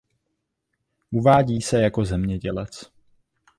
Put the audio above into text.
Uvádí se jako zemědělec.